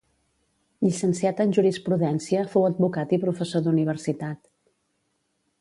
Llicenciat en jurisprudència, fou advocat i professor d'universitat.